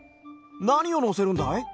なにをのせるんだい？